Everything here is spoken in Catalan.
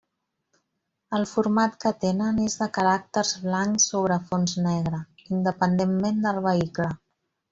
El format que tenen és de caràcters blancs sobre fons negre, independentment del vehicle.